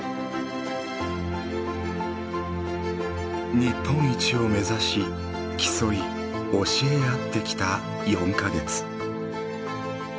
日本一を目指し競い教え合ってきた４か月。